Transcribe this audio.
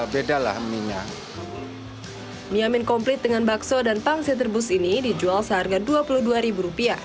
bedalah minyak mie mien komplit dengan bakso dan pangsit rebus ini dijual seharga rp dua puluh dua